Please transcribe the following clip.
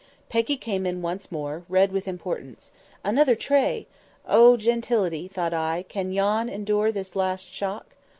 Peggy came in once more, red with importance. Another tray! "Oh, gentility!" thought I, "can you endure this last shock?"